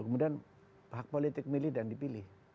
kemudian hak politik milih dan dipilih